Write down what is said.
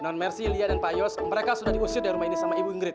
namun mercy liya dan pak yos mereka sudah diusir dari rumah ini sama ibu ingrid